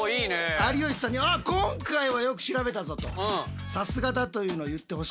有吉さんに「あっ今回はよく調べたぞ」と「さすがだ」というのを言ってほしいので。